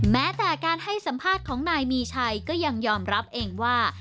แม้แต่การให้สัมภาษณ์ของนายมีชัยก็ยังยอมรับเองว่า